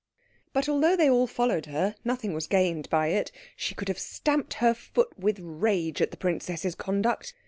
But although they all followed her, nothing was gained by it. She could have stamped her foot with rage at the princess's conduct.